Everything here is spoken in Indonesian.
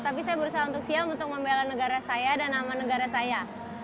tapi saya berusaha untuk siap untuk membela negara saya dan nama negara saya